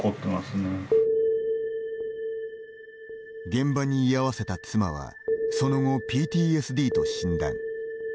現場に居合わせた妻はその後、ＰＴＳＤと診断。